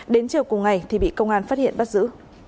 đến chiều cùng ngày thì bị công an phát hiện bắt giữ